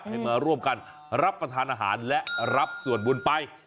ให้มาร่วมกันรับประทานอาหารและรับส่วนบุญไป